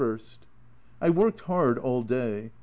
I worked hard all day.